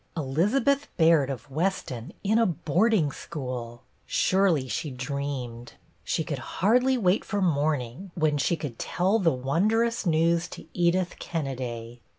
Elizabeth Baird of Weston in a boarding school ! Surely she dreamed I She could hardly wait for morning, when she could THE SECRET 17 tell the wondrous news to Edith Kenneday.